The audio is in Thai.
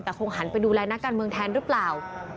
แต่คงหันไปดูแลนักการเมืองแทนหรือเปล่า